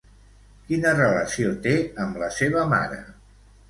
Quina relació té amb la seva mare?